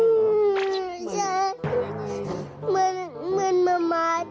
เหมือนคนตายล่ะ